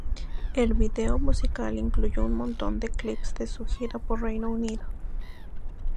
El vídeo musical incluyó un montón de clips de su gira por Reino Unido.